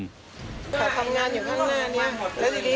ทำงานอยู่ข้างหน้านี้